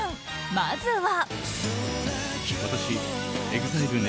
まずは。